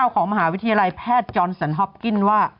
ของมหาวิทยาลัยแพทย์จอนสันฮอปกิ้นว่า